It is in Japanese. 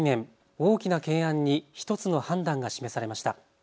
大きな懸案に１つの判断が示されました。